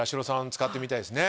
使ってみたいですね。